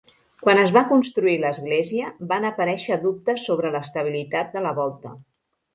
Quan es va construir l'església, van aparèixer dubtes sobre l'estabilitat de la volta.